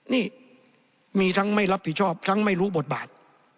นี่มีทั้งไม่รับผิดชอบทั้งไม่รู้บทบาท